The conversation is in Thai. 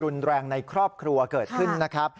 รุนแรงในครอบครัวเกิดขึ้นนะครับ